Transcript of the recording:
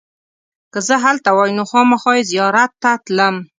که زه هلته وای نو خامخا یې زیارت ته تلم.